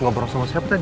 ngobrol sama siapa tadi